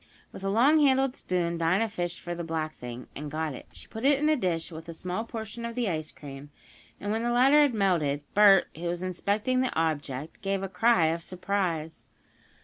With a longhandled spoon Dinah fished for the black thing, and got it. She put it in a dish, with a small portion of the ice cream, and when the latter had melted, Bert, who was inspecting the object, gave a cry of surprise.